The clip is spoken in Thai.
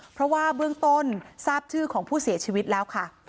เพราะว่าเบื้องต้นทราบชื่อของผู้เสียชีวิตแล้วค่ะ